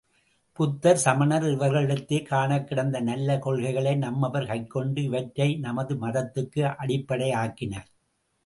புத்தர், சமணர் இவர்களிடத்தே காணக் கிடந்த நல்ல கொள்கைகளை நம்மவர் கைக்கொண்டு, இவற்றை நமது மதத்துக்கு அடிப்படையாக்கினர்.